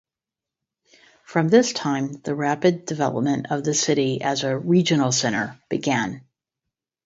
From this time the rapid development of the city as a regional center began.